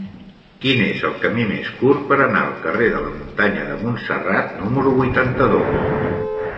Quin és el camí més curt per anar al carrer de la Muntanya de Montserrat número vuitanta-dos?